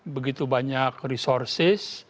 begitu banyak resources